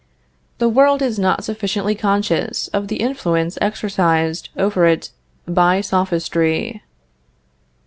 The world is not sufficiently conscious of the influence exercised over it by Sophistry.